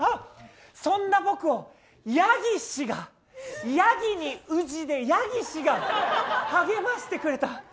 そんな僕をヤギ氏がヤギに氏でヤギ氏が励ましてくれた。